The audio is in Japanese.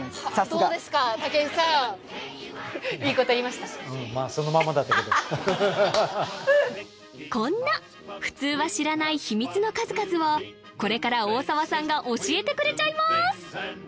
うんまあこんな普通は知らない秘密の数々をこれから大澤さんが教えてくれちゃいます！